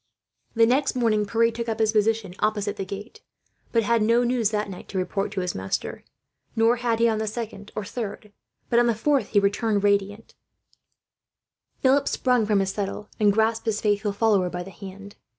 The next morning Pierre took up his position opposite the gate, but had no news that night to report to his master; nor had he on the second or third; but on the fourth, he returned radiant. "Good news, master. The count is alive, and I have found him." Philip sprung from his settle, and grasped his faithful follower by the hand.